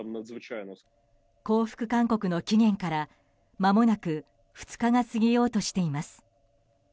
降伏勧告の期限からまもなく２日が過ぎようとしています。